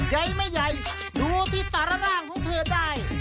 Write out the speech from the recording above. ใหญ่ไม่ใหญ่ดูที่สารร่างของเธอได้